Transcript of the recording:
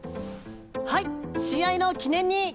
はい試合の記念に！